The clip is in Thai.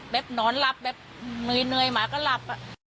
นอนหลับแบบเหนื่อยหมาก็หลับ